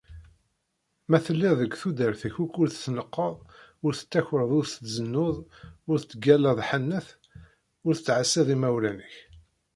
Ma telliḍ deg tudert-ik akk ur tneqqeḍ, ur tettakreḍ, ur tzennuḍ, ur tettgallaḍ ḥanet, ur tettεaṣiḍ imawlan-ik.